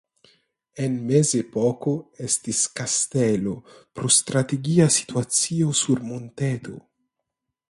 En Mezepoko estis kastelo pro strategia situacio sur monteto.